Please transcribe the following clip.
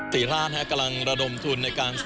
ศรีราชกำลังระดมทุนในการ